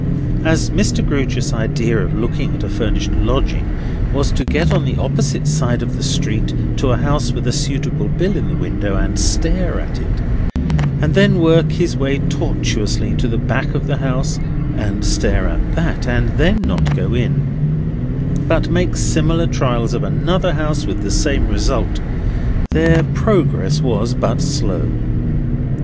As Mr. Grewgious's idea of looking at a furnished lodging was to get on the opposite side of the street to a house with a suitable bill in the window, and stare at it; and then work his way tortuously to the back of the house, and stare at that; and then not go in, but make similar trials of another house, with the same result; their progress was but slow.